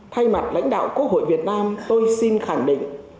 thay mặt lãnh đạo quốc hội việt nam tôi xin khẳng định